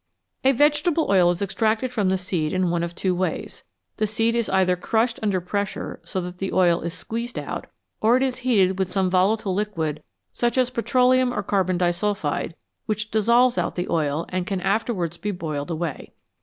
A vegetable oil is extracted from the seed in one of two ways. The seed is either crushed under pressure, so that the oil is squeezed out, or it is heated with some volatile liquid such as petroleum or carbon disulphide, which dissolves out the oil and can afterwards be boiled away.